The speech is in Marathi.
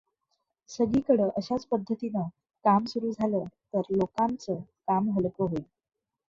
सगळीकडं अशाच पद्धतीनं काम सुरू झालं, तर लोकांचं काम हलकं होईल.